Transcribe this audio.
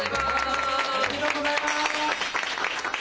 おめでとうございます。